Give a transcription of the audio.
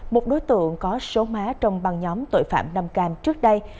một đối tượng có số má trong băng nhóm tội phạm nam cam trước đây